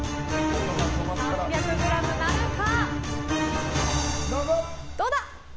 ３００ｇなるか。